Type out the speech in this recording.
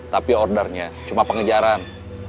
tapi ordernya cuma pengejaran